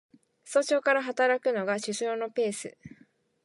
早朝から働くのが首相のペース